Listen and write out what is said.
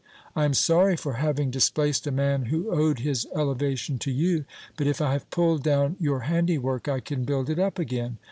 I am sorry for having displaced a man who owed his elevation to you ; but if I have pulled down your handiwork I can build it up again.